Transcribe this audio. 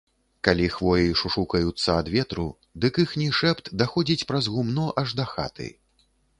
Калі хвоі шушукаюцца ад ветру, дык іхні шэпт даходзіць праз гумно аж да хаты.